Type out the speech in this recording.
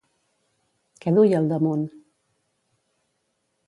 Què duia al damunt?